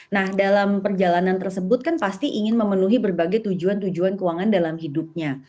nah dalam perjalanan tersebut kan pasti ingin memenuhi berbagai tujuan tujuan keuangan dalam hidupnya